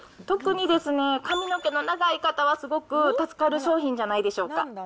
特にですね、髪の毛の長い方は、すごく助かる商品じゃないでしょうか。